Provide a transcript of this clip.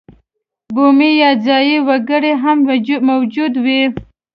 بومي یا ځايي وګړي هم موجود وو.